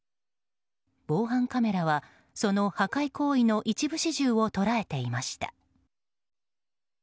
防犯カメラは、その破壊行為の一部始終を捉えていました。